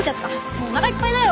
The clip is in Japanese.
もうおなかいっぱいだよ！